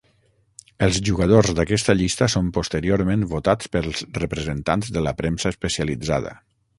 Els jugadors d'aquesta llista són posteriorment votats pels representants de la premsa especialitzada.